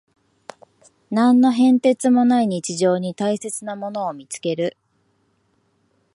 何の変哲もない日常に大切なものを見つける